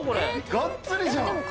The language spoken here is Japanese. がっつりじゃん。